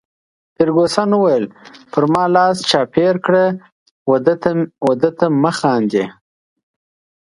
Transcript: فرګوسن وویل: پر ما لاس چاپیره کړه، وه ده ته مه خاندي.